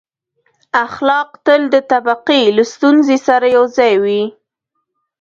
• اخلاق تل د طبقې له ستونزې سره یو ځای وو.